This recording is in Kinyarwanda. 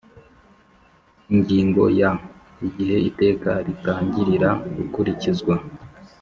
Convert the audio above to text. Ingingo ya igihe iteka ritangirira gukurikizwa